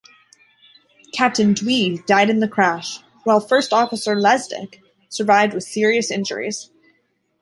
Captain Dwi died in the crash while First Officer Lesdek survived with serious injuries.